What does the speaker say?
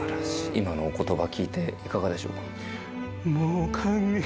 今のお言葉聞いていかがでしょうか？